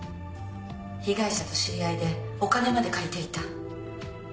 被害者と知り合いでお金まで借りていた。